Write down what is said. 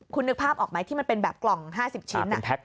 คุณนึกภาพออกไหมที่มันเป็นแบบกล่อง๕๐ชิ้น